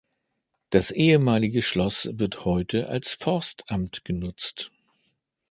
Das ehemalige Schloss wird heute als Forstamt genutzt.